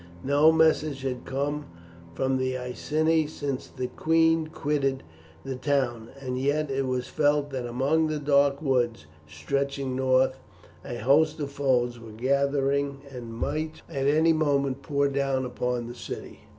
No message had come from the Iceni since the queen quitted the town, and yet it was felt that among the dark woods stretching north a host of foes was gathering, and might at any moment pour down upon the city.